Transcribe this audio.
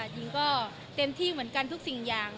หญิงก็เต็มที่เหมือนกันทุกสิ่งอย่าง